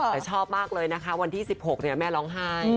แต่ชอบมากเลยนะคะวันที่๑๖แม่ร้องไห้